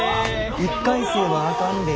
１回生はあかんで。